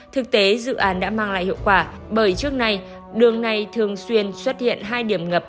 thực tế dự án đã mang lại hiệu quả bởi trước nay đường này thường xuyên xuất hiện hai điểm ngập